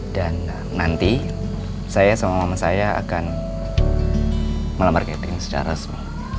dan nanti saya sama mama saya akan melamargeting secara resmi